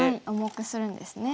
重くするんですね。